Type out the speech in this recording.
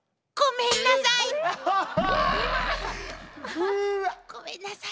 うわ。ごめんなさい。